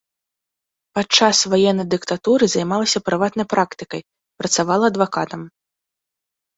Падчас ваеннай дыктатуры займалася прыватнай практыкай, працавала адвакатам.